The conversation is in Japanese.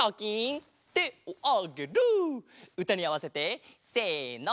うたにあわせてせの！